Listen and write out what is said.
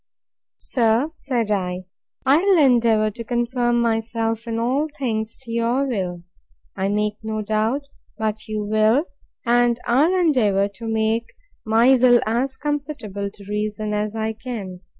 Sir, said I, I will endeavour to conform myself, in all things, to your will. I make no doubt but you will: and I'll endeavour to make my will as conformable to reason as I can.